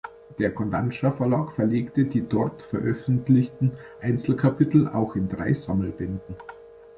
Der Kodansha-Verlag verlegte die dort veröffentlichten Einzelkapitel auch in drei Sammelbänden.